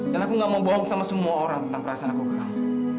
dan aku gak mau bohong sama semua orang tentang perasaan aku ke kamu